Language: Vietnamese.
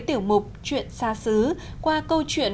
tiểu mục chuyện xa xứ qua câu chuyện